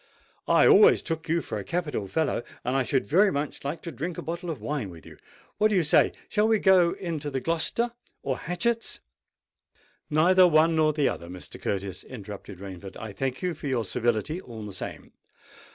"I always took you for a capital fellow—and I should very much like to drink a bottle of wine with you. What do you say? Shall we go into the Gloucester, or Hatchett's——" "Neither one nor the other, Mr. Curtis," interrupted Rainford. "I thank you for your civility all the same."